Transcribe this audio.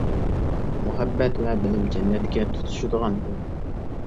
مۇھەببەت ۋە بىلىم جەننەتكە تۇتىشىدىغان يول.